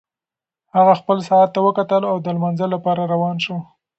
هغه خپل ساعت ته وکتل او د لمانځه لپاره روان شو.